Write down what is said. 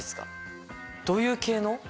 どういう系の？